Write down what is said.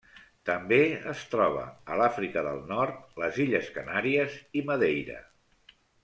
També es troba a l'Àfrica del Nord, les illes Canàries i Madeira.